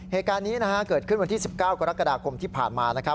เหตุการณ์นี้เกิดขึ้นวันที่๑๙กรกฎาคมที่ผ่านมา